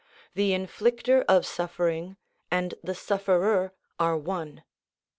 The inflicter of suffering and the sufferer are one.